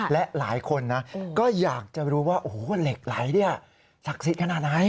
และหลายคนก็อยากจะรู้ว่าโอ้โฮเหล็กไหล่สักสิทธิ์ขนาดไหน